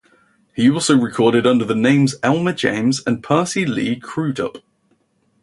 He also recorded under the names Elmer James and Percy Lee Crudup.